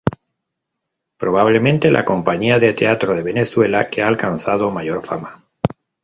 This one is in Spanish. Probablemente, la compañía de teatro de Venezuela que ha alcanzado mayor fama.